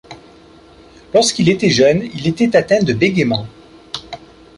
Lorsqu’il était jeune, il était atteint de bégaiement.